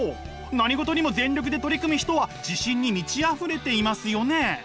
何事にも全力で取り組む人は自信に満ちあふれていますよね。